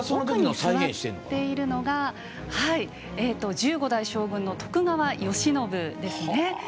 中に座っているのが１５代将軍・徳川慶喜ですね。